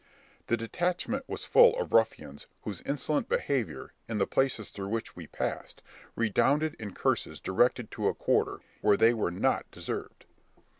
The detachment was full of ruffians whose insolent behaviour, in the places through which we passed, redounded in curses directed to a quarter where they were not deserved.